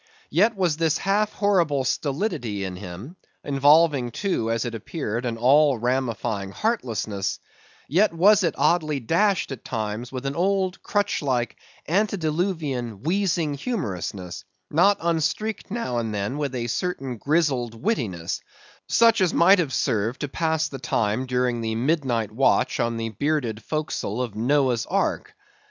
Yet was this half horrible stolidity in him, involving, too, as it appeared, an all ramifying heartlessness;—yet was it oddly dashed at times, with an old, crutch like, antediluvian, wheezing humorousness, not unstreaked now and then with a certain grizzled wittiness; such as might have served to pass the time during the midnight watch on the bearded forecastle of Noah's ark.